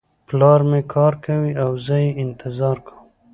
پلار مې کار کوي او زه یې انتظار کوم